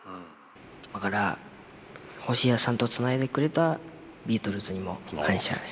だからホシヤさんとつないでくれたビートルズにも感謝してます。